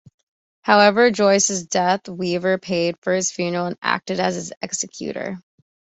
However, on Joyce's death, Weaver paid for his funeral and acted as his executor.